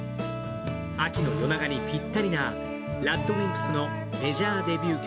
秋の夜長にぴったりなＲＡＤＷＩＭＰＳのメジャーデビュー曲、